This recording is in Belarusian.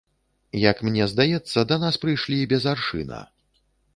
Як мне здаецца, да нас прыйшлі без аршына.